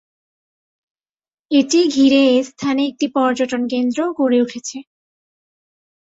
এটি ঘিরে এই স্থানে একটি পর্যটন কেন্দ্রও গড়ে উঠেছে।